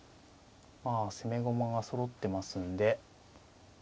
まあ攻め駒がそろってますんで。